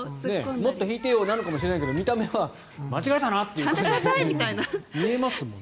もっと弾いてよなのかもしれないけど見た目は間違えたな？というふうに見えますよね。